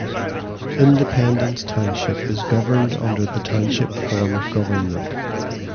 Independence Township is governed under the Township form of government.